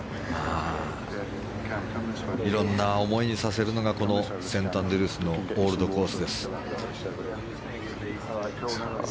色んな思いにさせるのがこのセントアンドリュースのオールドコースです。